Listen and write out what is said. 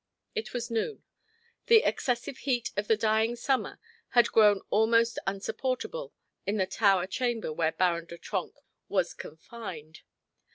It was noon. The excessive heat of the dying summer had grown almost unsupportable in the tower chamber where Baron de Trenck was confined.